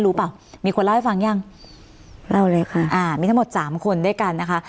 เปล่ามีคนเล่าให้ฟังยังเล่าเลยค่ะอ่ามีทั้งหมดสามคนด้วยกันนะคะ